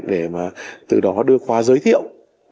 để mà từ đó đưa qua giới thiệu